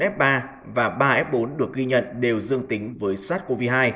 bốn f hai bốn f ba và ba f bốn được ghi nhận đều dương tính với sars cov hai